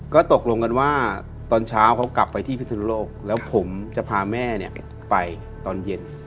ก็ตกลงกันว่าตอนเช้าเขากลับไปที่พิศนุโลกแล้วผมจะพาแม่ไปตอนเย็น